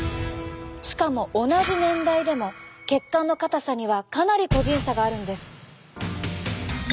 しかも同じ年代でも血管の硬さにはかなり個人差があるんです。